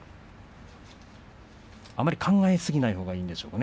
あまり考えすぎなほうがいいんでしょうね